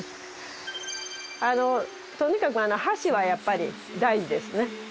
とにかく橋はやっぱり大事ですね。